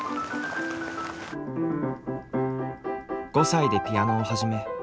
５歳でピアノを始め